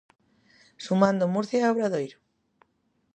Sumando Murcia e Obradoiro.